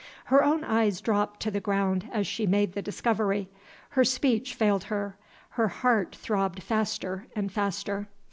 Her own eyes dropped to the ground as she made the discovery. Her speech failed her; her heart throbbed faster and faster.